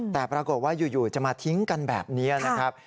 แต่ปรากฏว่าอยู่จะมาทิ้งกันแบบนี้นะครับ